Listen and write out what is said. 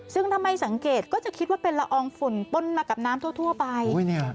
ซึ่งถ้าไม่สังเกตก็จะคิดว่าเป็นละอองฝุ่นป้นมากับน้ำทั่วไป